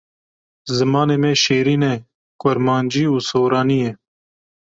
Zimanê me şêrîn e kurmancî û soranî ye.